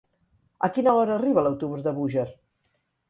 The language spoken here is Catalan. A quina hora arriba l'autobús de Búger?